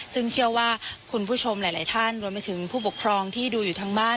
ซึ่งเชื่อว่าคุณผู้ชมหลายท่านรวมไปถึงผู้ปกครองที่ดูอยู่ทั้งบ้าน